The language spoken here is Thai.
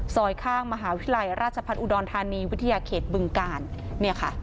ข้างมหาวิทยาลัยราชพัฒน์อุดรธานีวิทยาเขตบึงกาลเนี่ยค่ะ